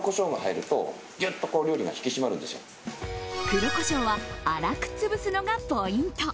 黒コショウは粗く潰すのがポイント。